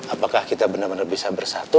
apakah kita benar benar bisa bersatu